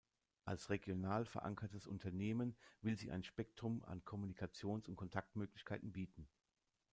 Als regional verankertes Unternehmen will sie ein Spektrum an Kommunikations- und Kontaktmöglichkeiten bieten.